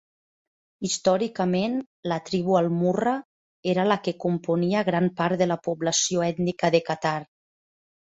Històricament, la tribu Al Murra era la que componia gran part de la població ètnica de Qatar.